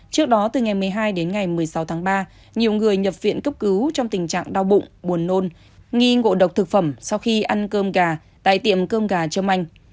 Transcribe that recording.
trong ngày một mươi sáu tháng ba nhiều người nhập viện cấp cứu trong tình trạng đau bụng buồn nôn nghi ngộ độc thực phẩm sau khi ăn cơm gà tại tiệm cơm gà trâm anh